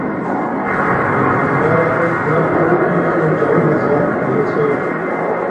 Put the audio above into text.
پݵغمبرݳ ݳݵک لݳکݸ بیشݸ چَݸُر ہزݳر آئݺ چھݺ.